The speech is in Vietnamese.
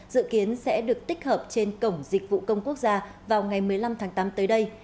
dự kiến sẽ được tích hợp trên cổng dịch vụ công quốc gia vào ngày một mươi năm tháng tám tới đây